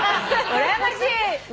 うらやましい。